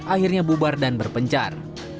akhirnya bubar dan berpencar